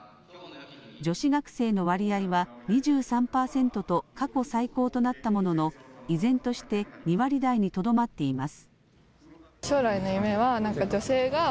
女子学生の割合は２３％と過去最高となったものの依然として２割台にとどまっています。